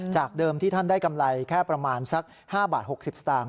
จากเดิมที่ท่านได้กำไรแค่ประมาณสัก๕บาท๖๐สตางค